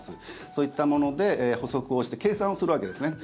そういったもので捕捉をして計算をするわけですね。